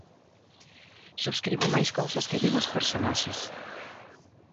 Subscribo máis cousas que din os personaxes.